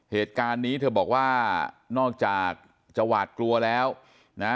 เหตุการณ์นี้เธอบอกว่านอกจากจะหวาดกลัวแล้วนะ